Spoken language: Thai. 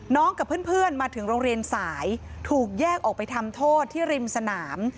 กับเพื่อนมาถึงโรงเรียนสายถูกแยกออกไปทำโทษที่ริมสนาม